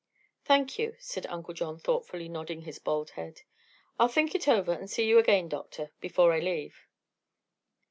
"Thank you," said Uncle John, thoughtfully nodding his bald head. "I'll think it over and see you again, doctor, before I leave."